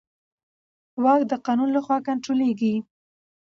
واک د قانون له خوا کنټرولېږي.